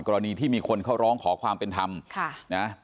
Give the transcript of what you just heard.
กรณีที่มีคนเขาร้องขอความเป็นทำเปล่าใช่ไหม